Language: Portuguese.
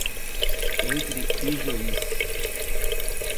Entre Ijuís